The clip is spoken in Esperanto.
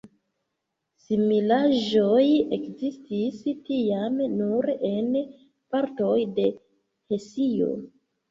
Similaĵoj ekzistis tiam nur en partoj de Hesio.